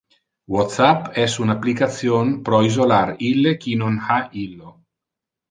WhatsApp es un application pro isolar ille qui non ha illo.